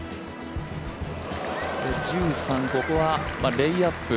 １３、ここはレイアップ。